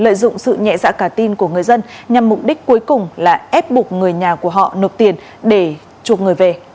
cũng sự nhẹ dạ cả tin của người dân nhằm mục đích cuối cùng là ép bục người nhà của họ nộp tiền để chuộc người về